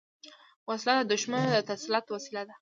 وسله د شتمنو د تسلط وسیله ده